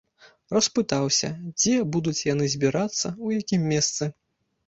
Распытаўся, дзе будуць яны збірацца, у якім месцы.